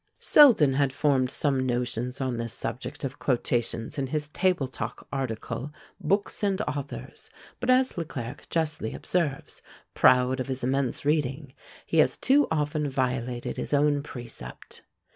Selden had formed some notions on this subject of quotations in his "Table talk," art. "Books and Authors;" but, as Le Clerc justly observes, proud of his immense reading, he has too often violated his own precept.